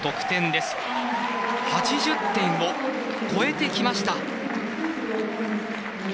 ８０点を超えてきました。